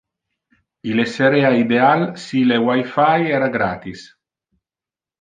Il esserea ideal si le wifi era gratis.